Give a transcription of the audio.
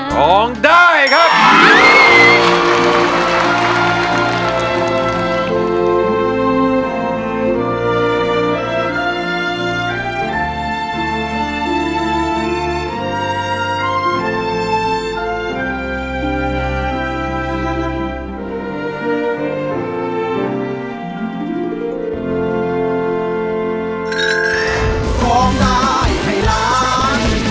ของได้ให้รัก